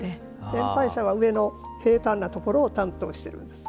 年配者は上の平たんなところを担当してるんです。